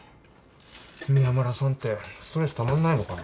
宮村さんってストレスたまらないのかな。